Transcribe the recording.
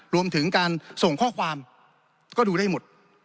รวมถึงการส่งข้อความก็ดูได้หมด